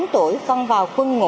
một mươi tám tuổi con vào khuôn ngủ